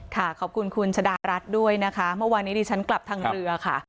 ขอบคุณคุณชะดารัฐด้วยนะคะเมื่อวานนี้ดิฉันกลับทางเรือค่ะ